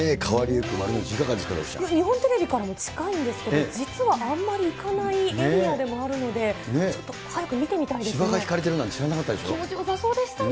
日本テレビからも近いんですけど、実はあんまり行かないエリアでもあるので、ちょっと早く見芝が敷かれてるなんて知らな気持ちよさそうでしたね。